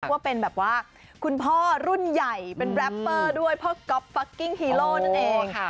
ว่าเป็นแบบว่าคุณพ่อรุ่นใหญ่เป็นแรปเปอร์ด้วยพ่อก๊อฟฟักกิ้งฮีโร่นั่นเองค่ะ